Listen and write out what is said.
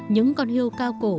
những con hiêu cao cổ